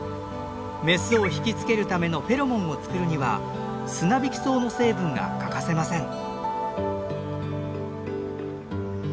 メスを惹きつけるためのフェロモンを作るにはスナビキソウの成分が欠かせません。